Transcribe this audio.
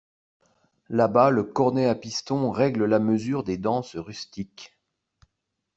Là-bas le cornet à piston règle la mesure des danses rustiques.